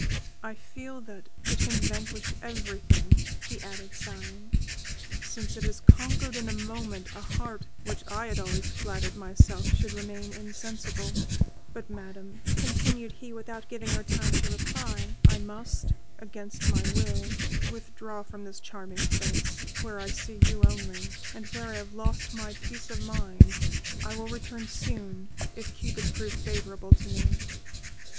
I feel that it can vanquish everything," he added, sighing, "since it has conquered in a moment a heart which I had always flattered myself should remain insensible; but, Madam," continued he, without giving her time to reply, "I must, against my will, withdraw from this charming place, where I see you only, and where I have lost my peace of mind; I will return soon, if Cupid prove favourable to me."